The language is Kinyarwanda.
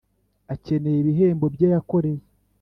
akeneye ibihembo bye yakoreye